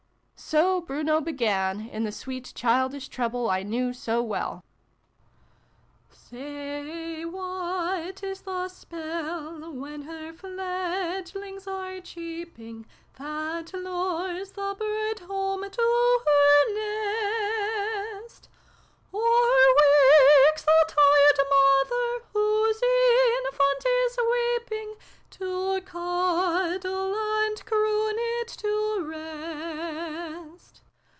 So Bruno began, in the sweet childish treble I knew so well : "Say, what is tJie spell, when her fledgelings are cheeping, That hires the bird home to her nest ? Or ivakes the tired mother, whose infant is weeping, To cuddle and croon it to rest?